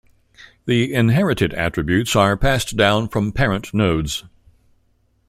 The inherited attributes are passed down from parent nodes.